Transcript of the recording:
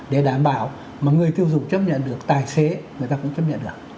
để đảm bảo mà người tiêu dùng chấp nhận được tài xế người ta cũng chấp nhận được